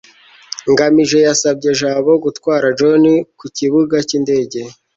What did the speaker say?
ngamije yasabye jabo gutwara john ku kibuga cy'indege